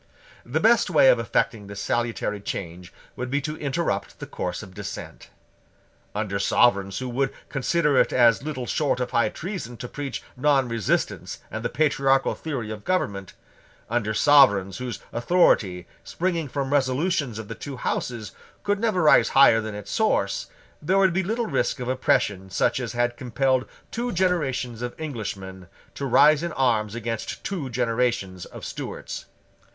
The best way of effecting this salutary change would be to interrupt the course of descent. Under sovereigns who would consider it as little short of high treason to preach nonresistance and the patriarchal theory of government, under sovereigns whose authority, springing from resolutions of the two Houses, could never rise higher than its source, there would be little risk of oppression such as had compelled two generations of Englishmen to rise in arms against two generations of Stuarts.